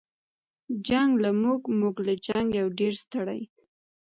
جنګ له موږه موږ له جنګه یو ډېر ستړي